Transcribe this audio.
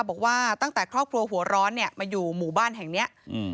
บอกว่าตั้งแต่ครอบครัวหัวร้อนเนี่ยมาอยู่หมู่บ้านแห่งเนี้ยอืม